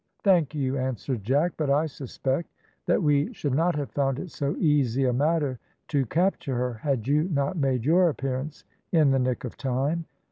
"Thank you," answered Jack; "but I suspect that we should not have found it so easy a matter to capture her, had you not made your appearance in the nick of time.